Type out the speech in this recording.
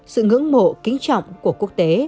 sự ngưỡng mộ kính trọng của quốc tế